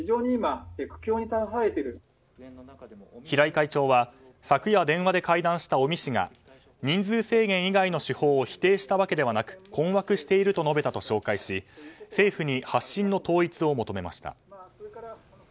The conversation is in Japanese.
平井会長は昨夜電話で会談した尾身氏が人数制限以外の手法を否定したわけではなく困惑していると述べたと紹介し政府に発信の統一を求めました。